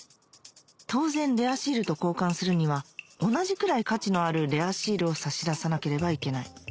当然レアシールと交換するには同じくらい価値のあるレアシールを差し出さなければいけない